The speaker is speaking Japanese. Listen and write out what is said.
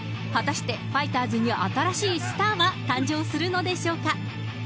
果たして、ファイターズに新しいスターは誕生するのでしょうか。